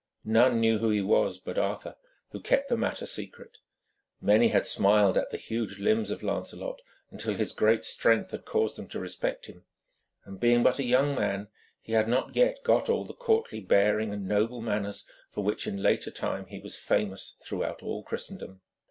None knew who he was but Arthur, who kept the matter secret. Many had smiled at the huge limbs of Lancelot, until his great strength had caused them to respect him; and being but a young man he had not yet got all the courtly bearing and noble manners for which in later time he was famous throughout all Christendom.